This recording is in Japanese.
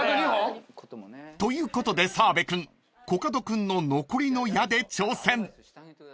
［ということで澤部君コカド君の残りの矢で挑戦］